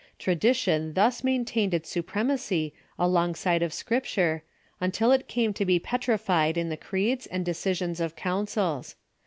Tradition thus maintained its supremacy alongside of Scripture until it came to be petrified in the creeds and de cisions of councils.